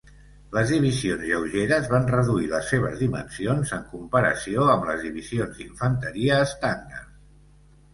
Les divisions lleugeres van reduir les seves dimensions en comparació amb les divisions d'infanteria estàndards.